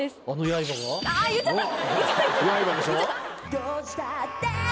どうしたって！